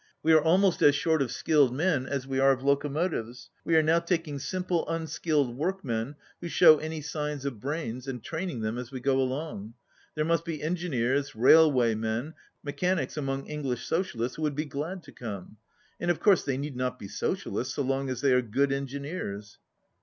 We are almost as short of skilled men as we are of locomotives. We are now taking simple unskilled workmen who show any signs of brains and training them as we go along. There must be engineers, railwaymen, mechanics among English socialists who would be glad to come. And of course they need not be socialists, so long as they are good engineers."